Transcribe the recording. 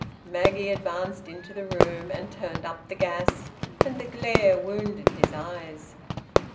Maggie advanced into the room and turned up the gas, and the glare wounded his eyes.